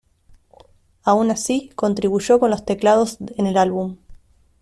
Aun así, contribuyó con los teclados en el álbum.